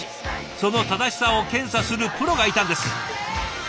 その正しさを検査するプロがいたんです。